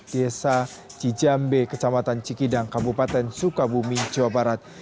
desa cijambe kecamatan cikidang kabupaten sukabumi jawa barat